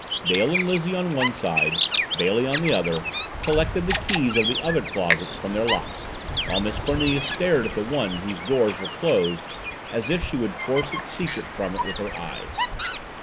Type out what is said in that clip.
Dale and Lizzie on one side Bailey on the other collected the keys of the other closets from their locks while Miss Cornelia stared at the one whose doors were closed as if she would force its secret from it with her eyes.